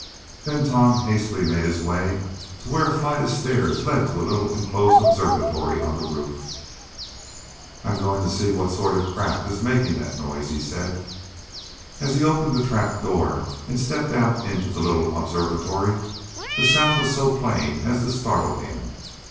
Then Tom hastily made his way to where a flight of stairs led to a little enclosed observatory on the roof. "I'm going to see what sort of a craft it is making that noise," he said. As he opened the trap door, and stepped out into the little observatory the sound was so plain as to startle him.